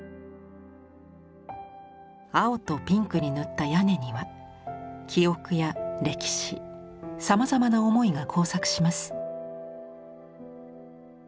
青とピンクに塗った屋根には記憶や歴史さまざまな思いが交錯します。